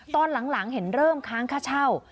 ตอนหลังเห็นเริ่มค้างค่าเช่า